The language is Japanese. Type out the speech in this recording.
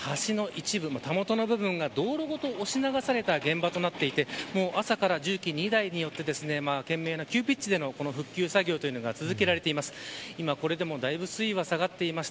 私の後ろには橋の一部、たもとの部分が道路ごと押し流された現場となっていて朝から重機２台によって懸命な急ピッチでの復旧作業が続けられています。